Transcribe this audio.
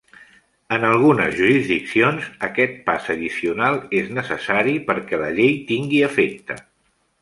En algunes jurisdiccions, aquest pas addicional és necessari perquè la llei tingui efecte.